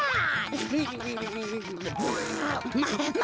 ああ！